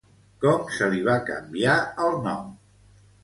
Com se li va canviar el nom?